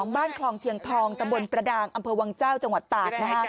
บ้านคลองเชียงทองตะบนประดางอำเภอวังเจ้าจังหวัดตาก